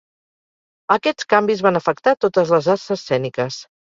Aquests canvis van afectar totes les arts escèniques.